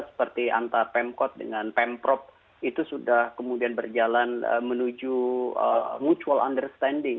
seperti antar pemkot dengan pemprov itu sudah kemudian berjalan menuju mutual understanding